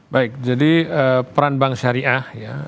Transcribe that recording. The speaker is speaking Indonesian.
baik jadi peran bank syariah ya